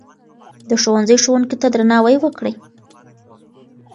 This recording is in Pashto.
د ښوونځي ښوونکو ته درناوی وکړئ.